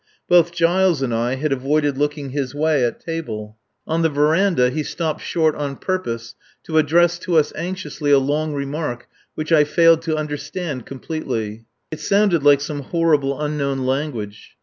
Both Giles and I had avoided looking his way at table. On the verandah he stopped short on purpose to address to us anxiously a long remark which I failed to understand completely. It sounded like some horrible unknown language.